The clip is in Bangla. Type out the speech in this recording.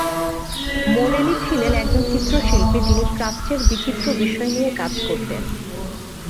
মোরেলি ছিলেন একজন চিত্রশিল্পী, যিনি প্রাচ্যের বিচিত্র বিষয় নিয়ে কাজ করতেন।